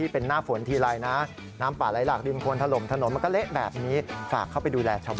เพราะเวลาที่เป็นหน้าฝนทีไร